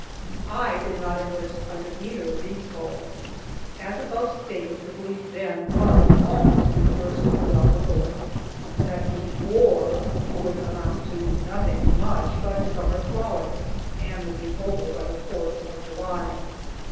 I did not enlist under either of these calls. As above stated, the belief then was almost universal throughout the North that the "war" would amount to nothing much but a summer frolic, and would be over by the 4th of July.